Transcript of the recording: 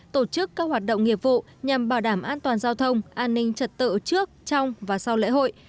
tổ chức các hoạt động nghiệp vụ nhằm bảo đảm an toàn giao thông an ninh trật tự trước trong và sau lễ hội